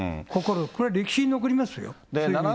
これは歴史に残りますよ。